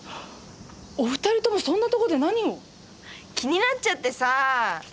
お二人ともそんなとこで何を⁉気になっちゃってさ。